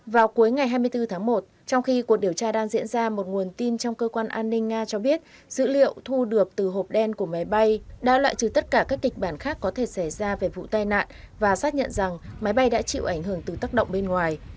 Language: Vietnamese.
vào cuối ngày hai mươi bốn tháng một trong khi cuộc điều tra đang diễn ra một nguồn tin trong cơ quan an ninh nga cho biết dữ liệu thu được từ hộp đen của máy bay đã loại trừ tất cả các kịch bản khác có thể xảy ra về vụ tai nạn và xác nhận rằng máy bay đã chịu ảnh hưởng từ tắc động bên ngoài